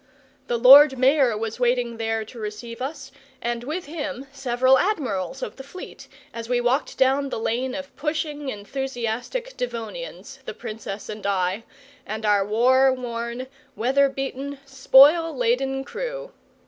The Lord Mayor was waiting there to receive us, and with him several Admirals of the Fleet, as we walked down the lane of pushing, enthusiastic Devonians, the Princess and I, and our war worn, weather beaten, spoil laden crew.